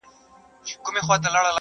پر ها بل یې له اسمانه ټکه لوېږي،